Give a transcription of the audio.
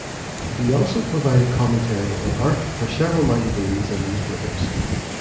He also provided commentary on art for several magazines and newspapers.